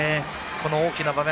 この大きな場面。